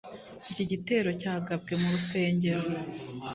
Iki gitero cyagabwe mu rusengero